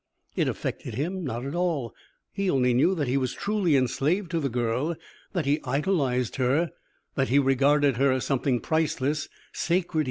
It affected him not at all, he only knew that he was truly enslaved to the girl, that he idolized her, that he regarded her as something priceless, sacred.